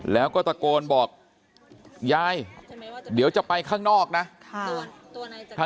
แล้วก็ตะโกนบอกยายเดี๋ยวจะไปข้างนอกนะ